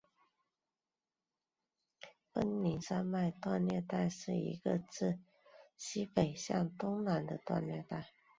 奔宁山脉断裂带是一个自西北向东南的断裂带。